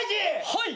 はい。